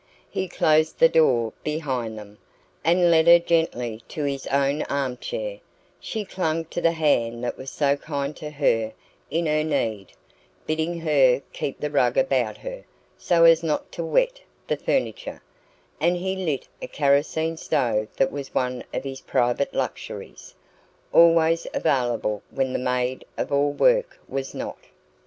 He closed the door behind them, and led her gently to his own arm chair she clung to the hand that was so kind to her in her need bidding her keep the rug about her (so as not to wet the furniture); and he lit a kerosene stove that was one of his private luxuries, always available when the maid of all work was not.